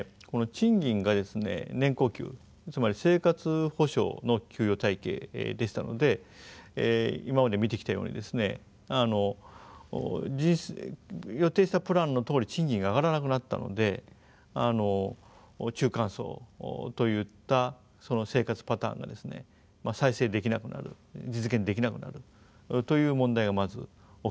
賃金が年功給つまり生活保障の給与体系でしたので今まで見てきたようにですね予定したプランのとおり賃金が上がらなくなったので中間層といった生活パターンが再生できなくなる実現できなくなるという問題がまず起きたと思いますね。